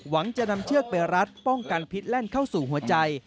จะนำเชือกไปรัดป้องกันพิษแล่นเข้าสู่หัวใจ